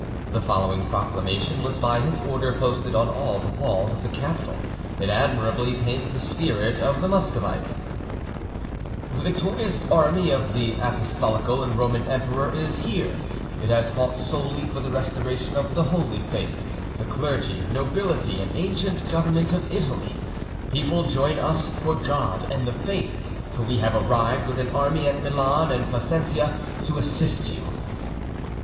The following proclamation was by his order posted on all the walls of the capital; it admirably paints the spirit of the Muscovite: "The victorious army of the Apostolical and Roman Emperor is here; it has fought solely for the restoration of the Holy Faith,—the clergy, nobility, and ancient government of Italy. People, join us for God and the Faith, for we have arrived with an army at Milan and Placentia to assist you!"